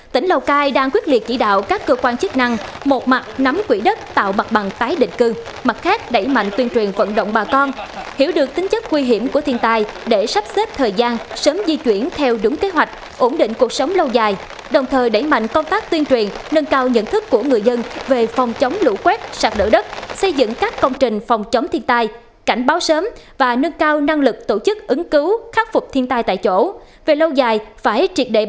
tỉnh lào cai đang quyết liệt chỉ đạo các cơ quan chức năng một mặt nắm quỹ đất tạo mặt bằng tái định cư mặt khác đẩy mạnh tuyên truyền vận động bà con hiểu được tính chất nguy hiểm của thiên tài để sắp xếp thời gian sớm di chuyển theo đúng kế hoạch ổn định cuộc sống lâu dài đồng thời đẩy mạnh công tác tuyên truyền nâng cao nhận thức của người dân về phòng chống lũ quét sạt lở đất xây dựng các công trình phòng chống thiên tài cảnh báo sớm và nâng cao năng lực tổ chức ứng cứu khắc phục thiên tài tại